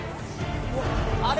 あれ？